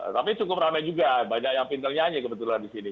tapi cukup rame juga banyak yang pintar nyanyi kebetulan di sini